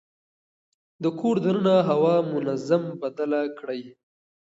د کور دننه هوا منظم بدله کړئ.